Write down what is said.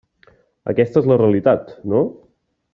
Aquesta és la realitat, no?